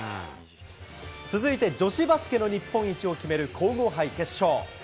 続いて女子バスケの日本一を決める皇后杯決勝。